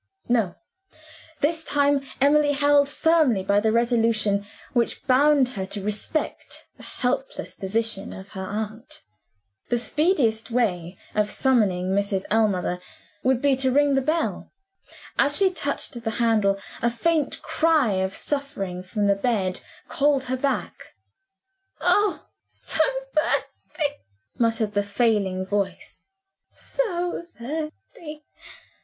No: this time Emily held firmly by the resolution which bound her to respect the helpless position of her aunt. The speediest way of summoning Mrs. Ellmother would be to ring the bell. As she touched the handle a faint cry of suffering from the bed called her back. "Oh, so thirsty!" murmured the failing voice "so thirsty!"